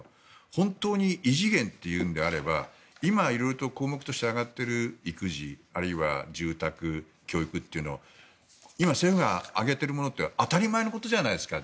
本当に異次元というのであれば今、色々と項目として挙がっている育児あるいは住宅、教育というのを今、政府が挙げてるものって当たり前のことじゃないですか。